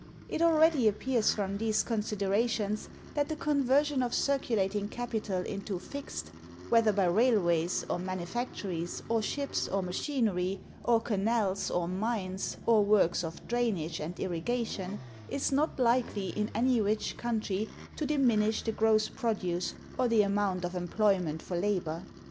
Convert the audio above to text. It already appears, from these considerations, that the conversion of circulating capital into fixed, whether by railways, or manufactories, or ships, or machinery, or canals, or mines, or works of drainage and irrigation, is not likely, in any rich country, to diminish the gross produce or the amount of employment for labor.